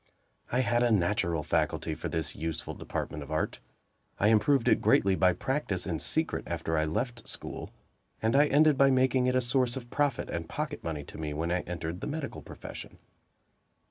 I had a natural faculty for this useful department of art. I improved it greatly by practice in secret after I left school, and I ended by making it a source of profit and pocket money to me when I entered the medical profession.